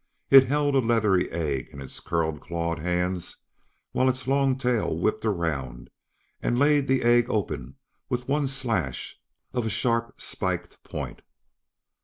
It held a leathery egg in its curled claw hands while its long tail whipped around and laid the egg open with one slash of a sharp spiked point.